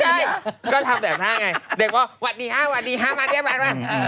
ไม่ใช่ก็ทำแบบนั้นไงเด็กบอกหวัดดีฮะหวัดดีฮะมาเต็มรึไง